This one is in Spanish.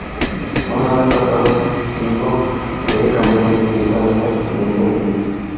Una vez pasado este tiempo, debe cambiar inmediatamente a la siguiente línea.